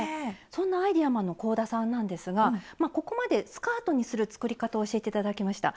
そんなアイデアマンの香田さんなんですがここまでスカートにする作り方を教えて頂きました。